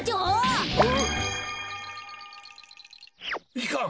いかん。